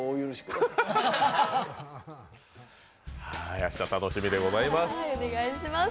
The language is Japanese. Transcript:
明日、楽しみでございます。